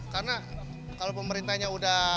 karena kalau pemerintahnya udah